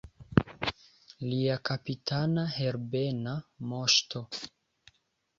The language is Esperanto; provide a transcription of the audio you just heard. Lia kapitana Herbena Moŝto!